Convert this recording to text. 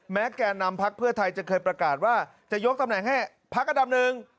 แม้แก่นำภาคเพื่อไทยจะเคยประกาศว่าจะยกตำแหน่งให้ภาคอัดำนึง